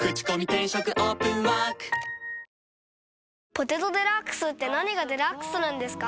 「ポテトデラックス」って何がデラックスなんですか？